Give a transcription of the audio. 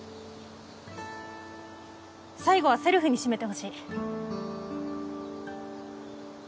最後はせるふに締めてほしい。